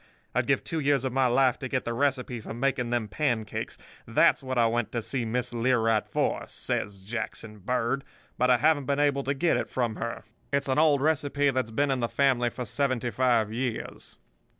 I'd give two years of my life to get the recipe for making them pancakes. That's what I went to see Miss Learight for,' says Jackson Bird, 'but I haven't been able to get it from her. It's an old recipe that's been in the family for seventy five years.